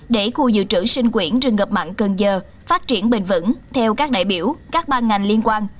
để khu dự trữ sinh quyển rừng ngập mặn cần giờ phát triển bền vững theo các đại biểu các ban ngành liên quan